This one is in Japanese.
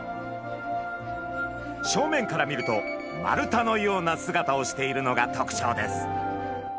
正面から見ると丸太のような姿をしているのがとくちょうです。